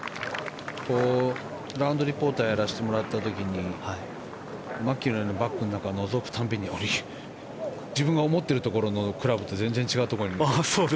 ラウンドリポーターやらせてもらった時にマキロイのバッグの中をのぞくたびに自分が思っているところのクラブと全然違って。